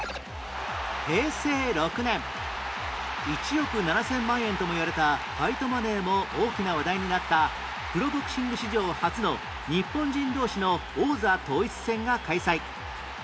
平成６年１億７０００万円ともいわれたファイトマネーも大きな話題になったプロボクシング史上初の日本人同士の王座統一戦が開催